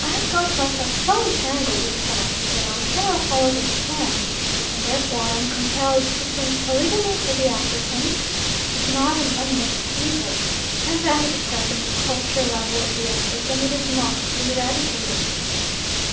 I have got myself so entangled with facts that I cannot follow this plan, and therefore am compelled to think polygamy for the African is not an unmixed evil; and that at the present culture level of the African it is not to be eradicated.